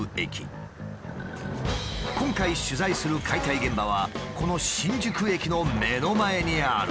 今回取材する解体現場はこの新宿駅の目の前にある。